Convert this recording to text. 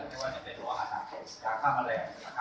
ไม่ว่าจะเป็นตัวอาหารหรือสิทธิ์ยาข้ามแรงนะครับ